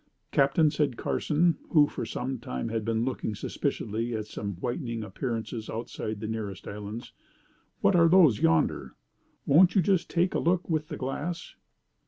'Captain,' said Carson, who for some time had been looking suspiciously at some whitening appearances outside the nearest islands 'what are those yonder? won't you just take a look with the glass?'